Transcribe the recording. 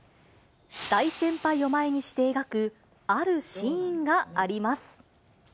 大先輩を前にして描くあるシーンがあります。